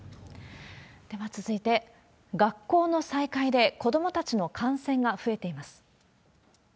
では続いて、学校の再開で子どもたちの感染が増えています。